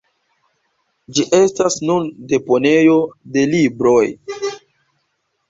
Ĝi estas nun deponejo de libroj.